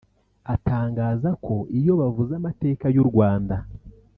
Atangaza ko iyo bavuze amateka y’u Rwanda